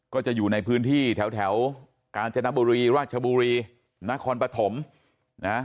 ก็จะอยู่ในพื้นที่แถวกาญจนบุรีราชบุรีนครปฐมนะ